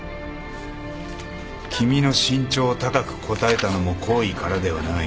君の身長を高く答えたのも好意からではない。